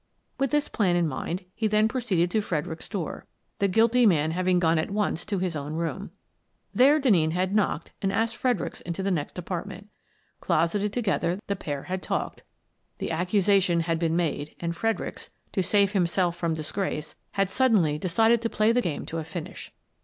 With this plan in mind, he then proceeded to Fredericks's door — the guilty man having gone at once to his own room. There Denneen had knocked and asked Fredericks into the next apartment. Closeted to gether, the pair had talked; the accusation had been made, and Fredericks, to save himself from disgrace, had suddenly decided to play the game to a finish.